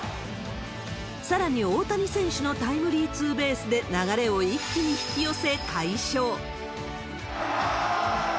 さらに、大谷選手のタイムリーツーベースで流れを一気に引き寄せ快勝。